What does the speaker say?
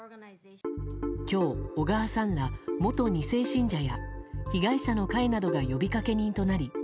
今日、小川さんら元２世信者や被害者の会などが呼びかけ人となり